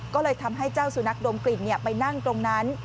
ก็เลยทำให้เจ้าสุนัขดมกลิ่นไปนั่งตรงนั้น